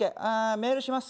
メールします。